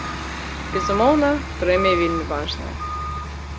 Безумоўна, прэмія вельмі важная.